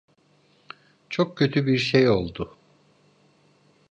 Çok kötü bir şey oldu.